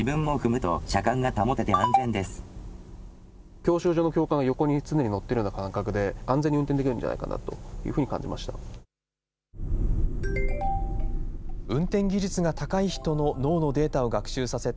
教習所の教官が常に横に乗っている感覚で、安全に運転できるんじゃないかなというふうに感じました。